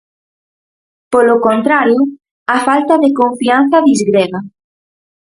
Polo contrario, a falta de confianza disgrega.